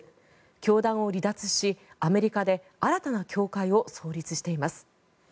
教団を離脱しアメリカで新たな教会を創立しています。